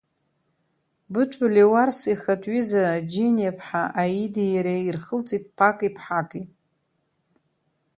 Быҭәба Леуарса ихатәҩыза Џьениа-ԥҳа Аидеи иареи ирхылҵит ԥаки ԥҳаки…